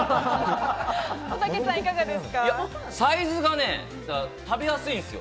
サイズが食べやすいんですよ。